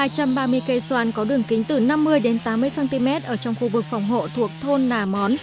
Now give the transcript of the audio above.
hai trăm ba mươi cây xoan có đường kính từ năm mươi đến tám mươi cm ở trong khu vực phòng hộ thuộc thôn nà món